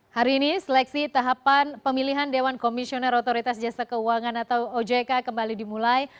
hari ini seleksi tahapan pemilihan dewan komisioner otoritas jasa keuangan atau ojk kembali dimulai